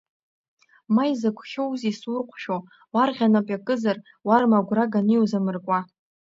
Ма изакә хьоузеи исурҟәшәо, уарӷьа нап иакызар, уарма агәра ганы иузамыркуа!